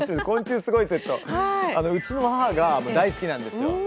「昆虫すごいＺ」うちの母が大好きなんです。